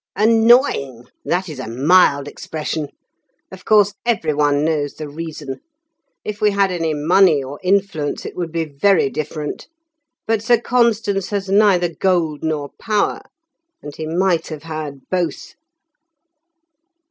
"Annoying! that is a mild expression. Of course, everyone knows the reason. If we had any money, or influence, it would be very different. But Sir Constans has neither gold nor power, and he might have had both."